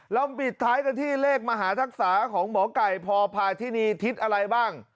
ปิดท้ายกันที่เลขมหาทักษาของหมอไก่พพาธินีทิศอะไรบ้าง